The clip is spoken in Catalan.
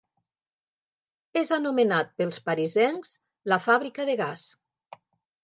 És anomenat pels parisencs La fàbrica de gas.